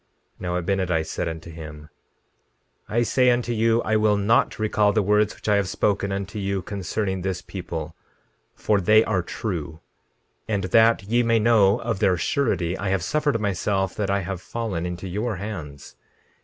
17:9 Now Abinadi said unto him: I say unto you, I will not recall the words which I have spoken unto you concerning this people, for they are true; and that ye may know of their surety I have suffered myself that I have fallen into your hands.